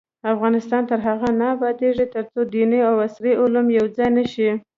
افغانستان تر هغو نه ابادیږي، ترڅو دیني او عصري علوم یو ځای نشي.